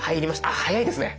あっ早いですね。